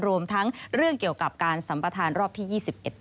รวมทั้งเรื่องเกี่ยวกับการสัมประธานรอบที่๒๑